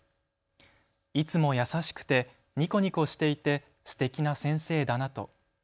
いつも優しくてにこにこしていてすてきな先生だなと。